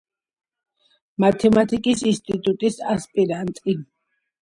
მათემატიკის ინსტიტუტის ასპირანტი.